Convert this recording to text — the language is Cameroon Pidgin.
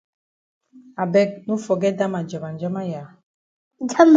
I beg no forget dat ma njamanjama ya.